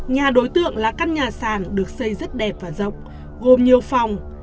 nhà đối tượng là căn nhà sàn được xây rất đẹp và rộng gồm nhiều phòng